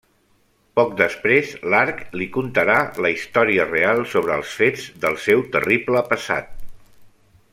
Poc després, l'Arc li contarà la història real sobre els fets del seu terrible passat.